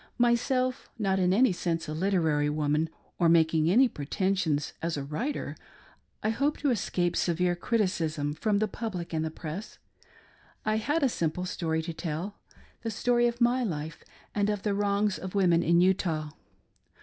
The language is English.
Myself not in any sense a literary woman, or making any pretensions as a writer, I hope to escape severe criticism from the public and the press. I had a simple story to tell — the story of my life and of the wrongs of women in Utah.